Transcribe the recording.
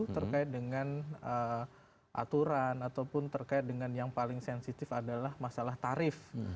terkait dengan aturan ataupun terkait dengan yang paling sensitif adalah masalah tarif